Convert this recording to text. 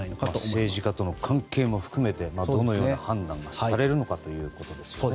政治家との関係も含めてどのような判断がされるのかということですね。